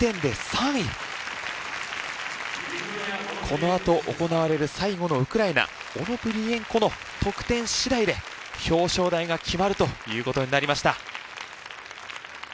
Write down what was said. このあと行われる最後のウクライナオノプリエンコの得点次第で表彰台が決まるという事になりました。